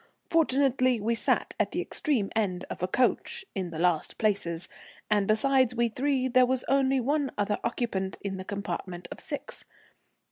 Fortunately we sat at the extreme end of a coach, in the last places, and besides we three there was only one other occupant in the compartment of six.